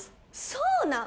そうなん？